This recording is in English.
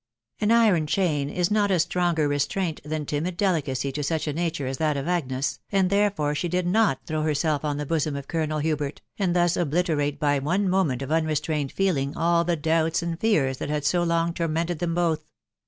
An iron chain is not a stronger restraint than timid delicacy to such a nature as that of Agnes ; and therefore she did mot throw herself on the bosom of Colonel Hubert, end mm obliterate by one moment of unrestrained feeling all the doubts and fears that had so long tormented them both